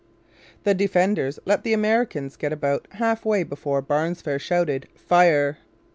The defenders let the Americans get about half way before Barnsfair shouted 'Fire!'